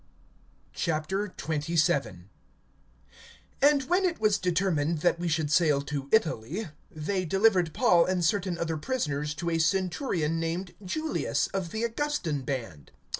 XXVII. AND when it was determined that we should sail to Italy, they delivered Paul and certain other prisoners to a centurion named Julius, of the Augustan band.